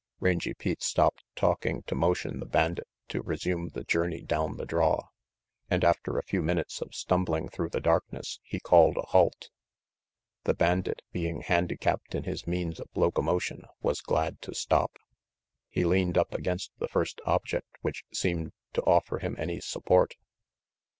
Rangy Pete stopped talking to motion the bandit to resume the journey down the draw, and after a few minutes of stumbling through the darkness he called a halt. The bandit, being handicapped in his means of locomotion, was glad to stop. He leaned up against the first object which seemed to offer him any support.